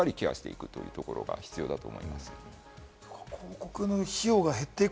そこをしっかりケアしていくということが大事かなと思います。